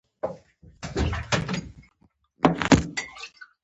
د غورک کلی موقعیت